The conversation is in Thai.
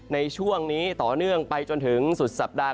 ในช่วงนี้ต่อเนื่องไปจนถึงสุดสัปดาห